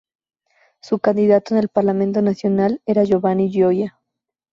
Su candidato en el parlamento nacional era Giovanni Gioia.